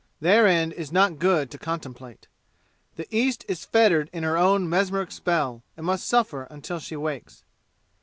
Their end is not good to contemplate. The East is fettered in her own mesmeric spell and must suffer until she wakes.